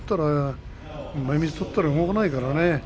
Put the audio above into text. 前みつ取ったら動かないからね。